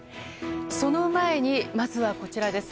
その前に、まずはこちらです。